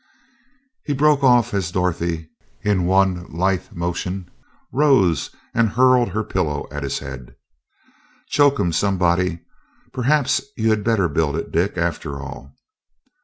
He broke off as Dorothy, in one lithe motion, rose and hurled her pillow at his head. "Choke him, somebody! Perhaps you had better build it, Dick, after all."